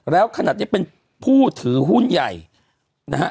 แล้วขนาดนี้เป็นผู้ถือหุ้นใหญ่นะฮะ